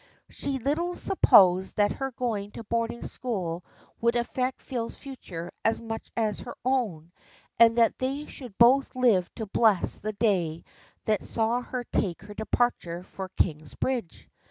She little supposed that her going to boarding school would affect Phil's future as much as her own, and that they should both live to bless the day that saw her take her departure for Kings bridge.